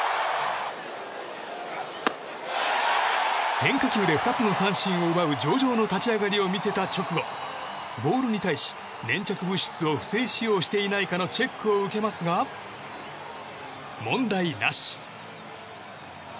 変化球で２つの三振を奪う上々の立ち上がりを見せた直後ボールに対し粘着物質を不正使用していないかのチェックを受けますが問題なし。